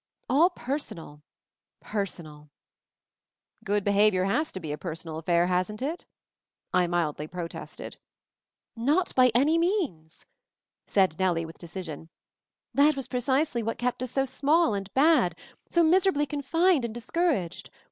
All personal — personal !" "Good behavior has to be a personal affair, hasn't it?" I mildly protested. "Not by any means !" said Nellie with de cision. "That was precisely what kept us so small and bad, so miserably confined and discouraged.